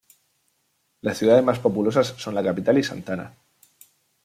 Las ciudades más populosas son la capital y Santana.